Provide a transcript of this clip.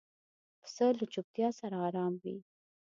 پسه له چوپتیا سره آرام وي.